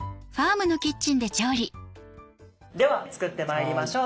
では作ってまいりましょう。